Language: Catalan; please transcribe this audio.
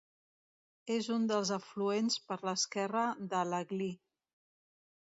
És un dels afluents per l'esquerra de l'Aglí.